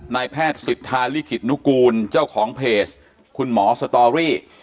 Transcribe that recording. นายแพทย์สิทธาลิขิตนุกูลเจ้าของเพจคุณหมอสตอรี่